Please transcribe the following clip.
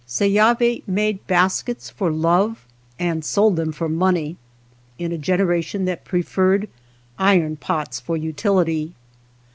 Seyavi made baskets for love and sold them for money, in a generation that pre ferred iron pots for utility.